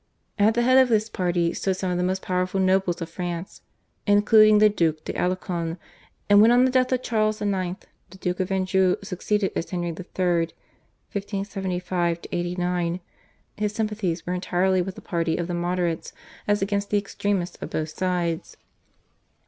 At the head of this party stood some of the most powerful nobles of France including the Duc d'Alencon, and when on the death of Charles IX. the Duke of Anjou succeeded as Henry III. (1575 89) his sympathies were entirely with the party of the moderates as against the extremists of both sides.